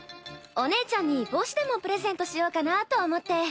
お姉ちゃんに帽子でもプレゼントしようかなと思って。